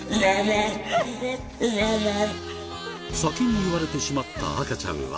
先に言われてしまった赤ちゃんは。